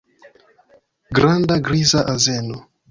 Granda griza azeno.